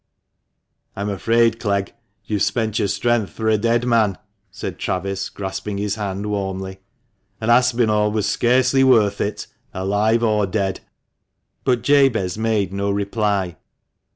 " I'm afraid, Clegg, you've spent your strength for a dead man," said Travis, grasping his hand warmly, "and Aspinall was scarcely worth it, alive or dead." But Jabez made no reply.